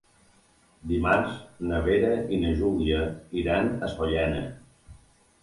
Dimarts na Vera i na Júlia iran a Sollana.